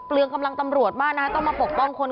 เรืองกำลังตำรวจมากนะฮะต้องมาปกป้องคน